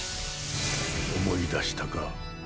思い出したか？